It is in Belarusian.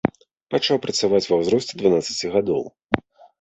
Пачаў працаваць ва ўзросце дванаццаці гадоў.